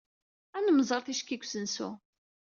Ad nemmẓer ticki deg usensu.